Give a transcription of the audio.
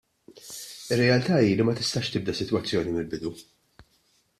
Ir-realtà hi li ma tistax tibda sitwazzjoni mill-bidu.